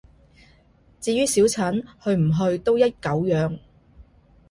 至於小陳，去唔去都一狗樣